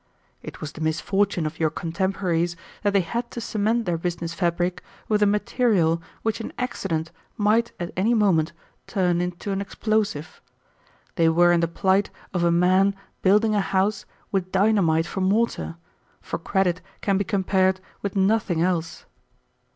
"It was the misfortune of your contemporaries that they had to cement their business fabric with a material which an accident might at any moment turn into an explosive. They were in the plight of a man building a house with dynamite for mortar, for credit can be compared with nothing else.